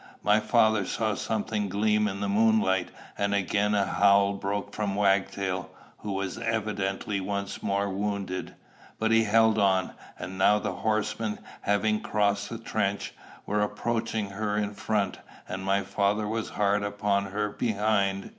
My father saw something gleam in the moonlight, and again a howl broke from Wagtail, who was evidently once more wounded. But he held on. And now the horsemen, having crossed the trench, were approaching her in front, and my father was hard upon her behind.